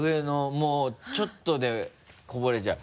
もうちょっとでこぼれちゃう。